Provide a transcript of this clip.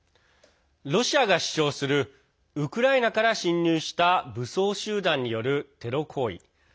ロシアが主張するウクライナから侵入した武装集団によるテロ行為。